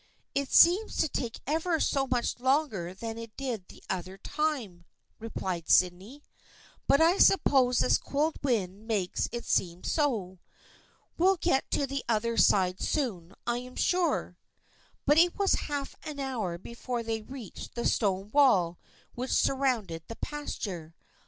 "" It seems to take ever so much longer than it did that other time," replied Sydney, " but I sup pose this cold wind makes it seem so. We'll get to the other side soon, I am sure." But it was half an hour before they reached the stone wall which surrounded the pasture.